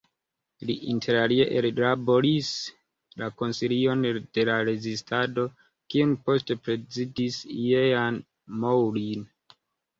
Li interalie ellaboris la "Konsilion de la Rezistado" kiun poste prezidis Jean Moulin.